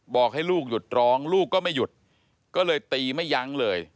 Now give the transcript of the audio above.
บอกให้ลูกหยุดร้องลูกก็ไม่หยุดก็เลยตีไม่ยั้งเลย